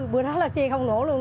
bữa đó là xe không nổ luôn